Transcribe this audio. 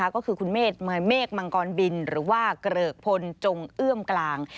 ก็คือคุณเมฆเมฆมังกรบินหรือว่าเกริกพลจงเอื้อมกลาง